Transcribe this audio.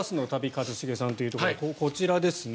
一茂さんというところでこちらですね。